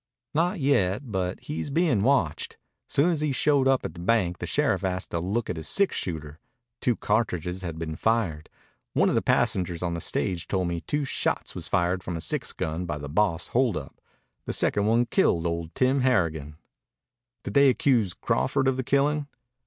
"Not yet. But he's bein' watched. Soon as he showed up at the bank the sheriff asked to look at his six shooter. Two cartridges had been fired. One of the passengers on the stage told me two shots was fired from a six gun by the boss hold up. The second one killed old Tim Harrigan." "Did they accuse Crawford of the killing?"